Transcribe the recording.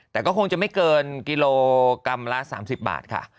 แต่ก็คงจะไม่เกินกิโลกรัมละ๓๐บาทค่ะ